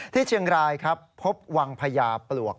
ที่เชียงรายครับพบวังพญาปลวก